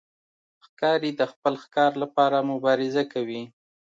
ښکاري د خپل ښکار لپاره مبارزه کوي.